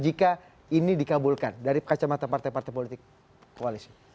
jika ini dikabulkan dari kacamata partai partai politik koalisi